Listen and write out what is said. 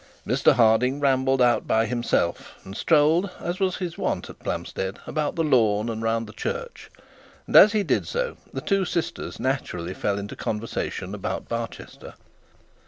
Mr Harding rambled out by himself, and strolled, as was his wont at Plumstead, about the lawn and round the church; and as he did so, the two sisters naturally fell into conversation about Barchester.